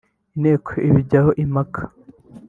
Inteko ibigeho impaka